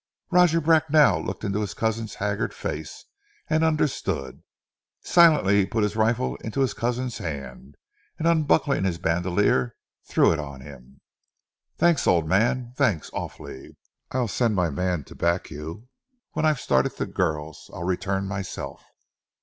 Roger Bracknell looked into his cousin's haggard face, and understood. Silently he put his rifle into his cousin's hand, and unbuckling his bandolier, threw it on him. "Thanks, old man! Thanks, awfully!" "I'll send my man to back you, and when I've started the girls I'll return myself."